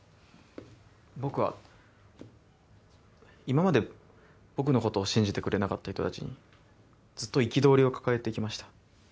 僕は今まで僕のことを信じてくれなかった人たちにずっと憤りを抱えてきました。